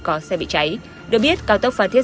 có xe bị cháy được biết cao tốc phan thiết